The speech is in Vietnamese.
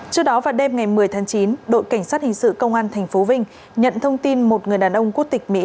trước đó vào đêm ngày một mươi tháng chín đội cảnh sát hình sự công an tp vinh nhận thông tin một người đàn ông quốc tịch mỹ